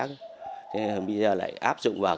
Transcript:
thế bây giờ lại